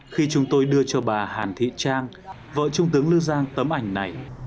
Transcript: khi chúng tôi đưa cho bà hàn thị trang vợ trung tướng lưu giang tấm ảnh này